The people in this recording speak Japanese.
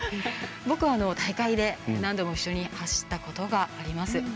僕は大会で何度も一緒に走ったことがあります。